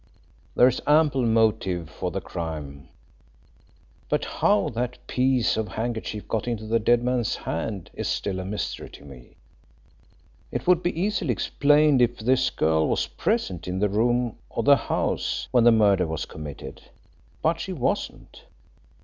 "There is ample motive for the crime, but how that piece of handkerchief got into the dead man's hand is still a mystery to me. It would be easily explained if this girl was present in the room or the house when the murder was committed. But she wasn't.